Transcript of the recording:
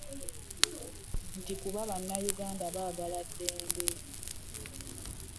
Nti kuba Bannayuganda baagala ddembe